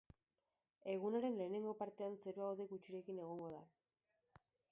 Egunaren lehenengo partean zerua hodei gutxirekin egongo da.